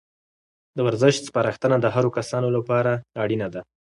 د ورزش سپارښتنه د هرو کسانو لپاره اړینه ده.